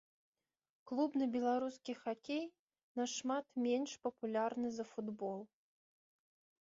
Клубны беларускі хакей нашмат менш папулярны за футбол.